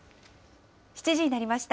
７時になりました。